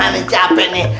aduh capek nih